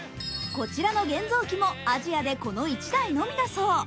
こちらの現像機もアジアでこの１台のみだそう。